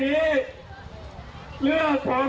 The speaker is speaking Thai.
ไม่เป็นผู้นำฝ่ายค้าน